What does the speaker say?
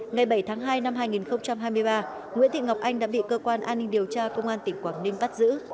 ngày bảy tháng hai năm hai nghìn hai mươi ba nguyễn thị ngọc anh đã bị cơ quan an ninh điều tra công an tỉnh quảng ninh bắt giữ